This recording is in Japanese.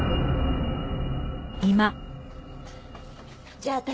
じゃあ私